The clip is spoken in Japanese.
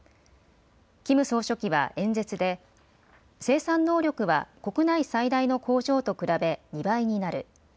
キム総書記は演説で生産能力は国内最大の工場と比べ２倍になる。